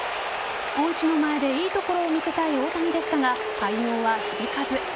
恩師の前でいいところを見せたい大谷でしたが快音は響かず。